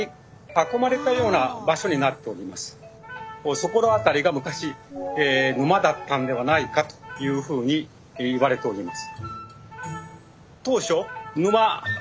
そこら辺りが昔沼だったんではないかというふうにいわれております。